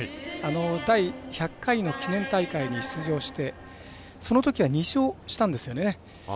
第１００回の記念大会に出場してそのときは２勝したんですよね。